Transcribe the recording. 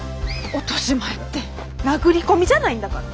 落とし前って殴り込みじゃないんだから。